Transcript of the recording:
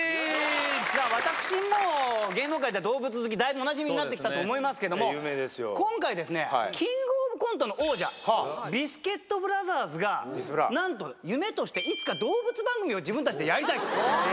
じゃあ、私も芸能界では動物好き、だいぶおなじみになってきたと思いますが、今回、キングオブコントの王者、ビスケットブラザーズがなんと夢として、いつか動物番組を自分たちでやりたいと。